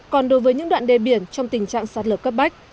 còn đối với những đoạn đê biển trong tình trạng sạt lở cấp bách